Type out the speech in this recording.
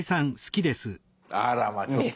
あらまあちょっと。